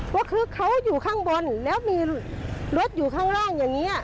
ก็คือเขาอยู่ข้างบนแล้วมีรถอยู่ข้างล่างอย่างนี้